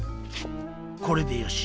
これでよし。